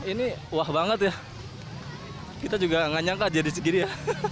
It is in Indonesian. ini wah banget ya kita juga nggak nyangka jadi segini ya